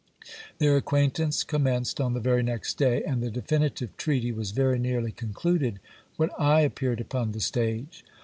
Their acquaintance commenced on the very next day ; and the definitive treaty was very nearly concluded when I appeared upon the stage.